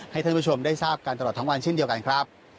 ท่านผู้ชมได้ทราบกันตลอดทั้งวันเช่นเดียวกันครับ